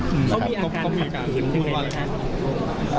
เขามีอาการตกใจอยู่ไหนนะคะ